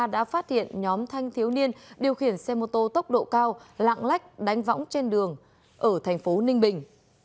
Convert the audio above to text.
đã phát hiện nhóm thanh thiếu niên điều khiển xe mô tô tốc độ cao lạng lách đánh võng trên đường ở thành phố ninh bình